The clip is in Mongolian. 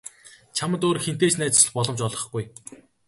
Чамд өөр хэнтэй ч найзлах боломж олгохгүй.